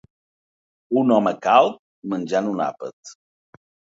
Un home calb menjant un àpat